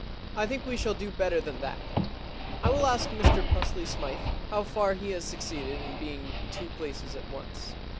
I think we shall do better than that. I will ask Mr Pusely Smythe how far he has succeeded in being in two places at once.